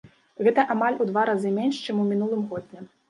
Гэта амаль у два разы менш, чым у мінулым годзе.